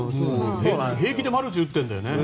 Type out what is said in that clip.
平気でマルチ打ってるんだよね。